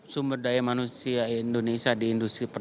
sumber daya manusia indonesia di industri pertahanan